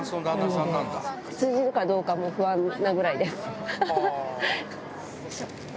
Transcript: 通じるかどうかも不安なぐらいです。